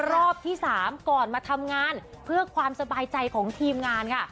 รอบที่๓ก่อนมาทำงานเพื่อความสบายใจของทีมงานค่ะ